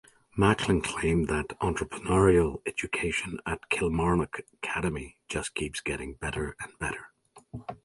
Macklin claimed that "entrepreneurial education at Kilmarnock Academy just keeps getting better and better".